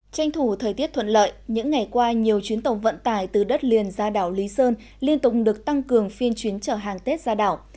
tranh thủ thời tiết thuận lợi những ngày qua nhiều chuyến tàu vận tải từ đất liền ra đảo lý sơn liên tục được tăng cường phiên chuyến chở hàng tết ra đảo